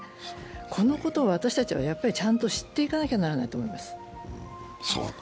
このことを私たちはちゃんと知っていかなきゃならないと思います。